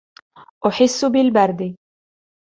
أحس بالبرد.